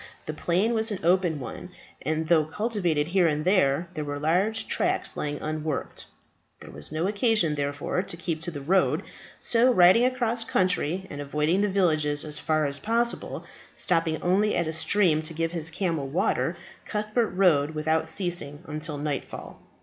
The plain was an open one, and though cultivated here and there, there were large tracts lying unworked. There was no occasion therefore to keep to the road; so riding across country, and avoiding the villages as far as possible, stopping only at a stream to give his camel water, Cuthbert rode without ceasing until nightfall.